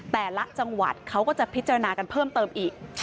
แต่ละจังหวัดเขาก็จะพิจารณากันเพิ่มเติมอีก